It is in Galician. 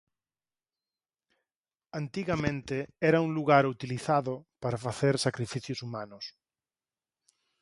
Antigamente era un lugar utilizado para facer sacrificios humanos.